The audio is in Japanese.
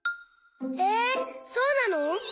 えそうなの？